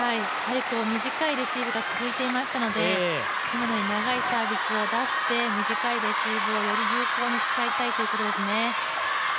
短いレシーブが続いていましたので、長いサービスを出して短いレシーブをより有効に使いたいということですね。